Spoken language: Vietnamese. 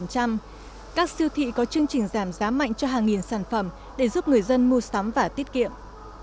các siêu thị có chương trình giảm giá mạnh cho hàng nghìn sản phẩm để giúp người dân mua sắm và tiết kiệm